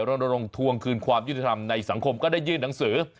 รณรงควงคืนความยุติธรรมในสังคมก็ได้ยื่นหนังสือ